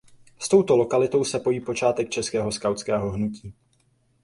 S touto lokalitou se pojí počátek českého skautského hnutí.